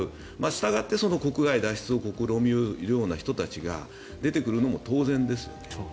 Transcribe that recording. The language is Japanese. したがって国外脱出を試みようとする人たちが出てくるのも当然ですよね。